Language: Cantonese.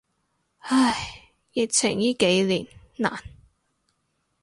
唉，疫情依幾年，難。